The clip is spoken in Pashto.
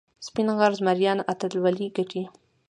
سپین غر زمریان اتلولي ګټي.